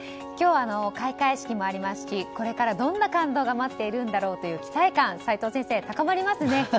今日、開会式もありますしこれから、どんな感動が待っているんだろうという期待感が高まりますね。